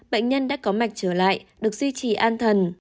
bệnh nhân đã có mạch trở lại được duy trì an thần